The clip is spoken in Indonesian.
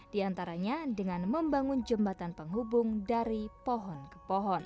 diantaranya dengan membangun jembatan penghubung dari pohon ke pohon